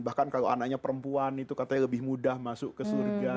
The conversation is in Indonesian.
bahkan kalau anaknya perempuan itu katanya lebih mudah masuk ke surga